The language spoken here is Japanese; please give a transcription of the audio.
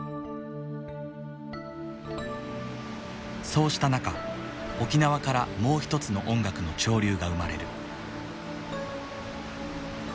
そうした中沖縄からもう一つの音楽の潮流が生まれる。